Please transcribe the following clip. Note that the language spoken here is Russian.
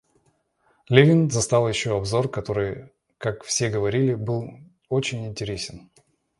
Левин застал еще обзор, который, как все говорили, был очень интересен.